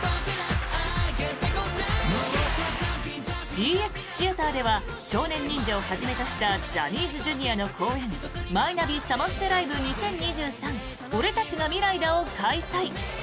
ＥＸＴＨＥＡＴＥＲでは少年忍者をはじめとしたジャニーズＪｒ．の公演「マイナビサマステライブ２０２３俺たちがミライだ！！」を開催。